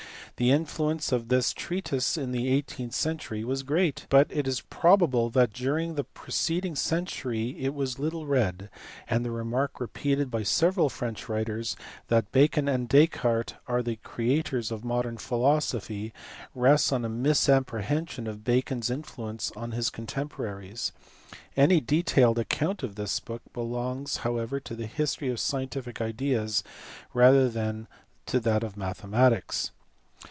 The influence of this treatise in the eighteenth century was great, but it is probable that during the preceding century it was little read, and the remark repeated by several French writers that Bacon and Descartes are the creators of modern philosophy rests on a misapprehension of Bacon s influence on his contemporaries: any detailed account of this book belongs however to the history of scientific ideas rather than to that of mathematics.